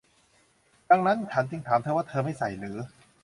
ดังนั้นฉันจึงถามเธอว่า - เธอไม่ใส่เหรอ ?